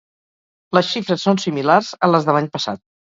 Les xifres són similars a les de l’any passat.